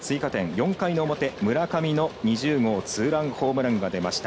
４回の表村上の２０号ツーランホームランが出ました。